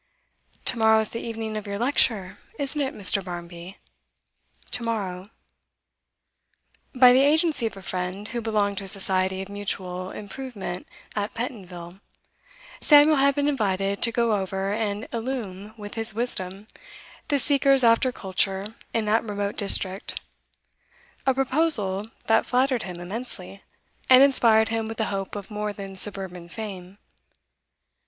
'To morrow is the evening of your lecture, isn't it, Mr. Barmby?' 'To morrow.' By the agency of a friend who belonged to a society of mutual improvement at Pentonville, Samuel had been invited to go over and illumine with his wisdom the seekers after culture in that remote district, a proposal that flattered him immensely, and inspired him with a hope of more than suburban fame.